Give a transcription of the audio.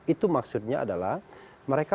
itu maksudnya adalah mereka